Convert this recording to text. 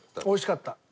おいしかった。